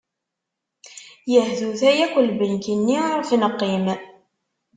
Yehtuta yakk lbenk-nni iɣef neqqim.